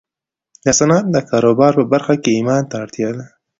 د صنعت د کاروبار په برخه کې ايمان ته اړتيا ده.